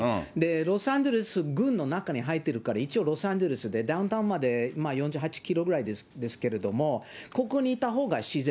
ロサンゼルス郡の中に入っているから、一応ロサンゼルスでダウンタウンまで４８キロぐらいですけれども、ここにいたほうが自然。